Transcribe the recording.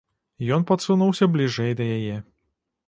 Ён падсунуўся бліжэй да яе.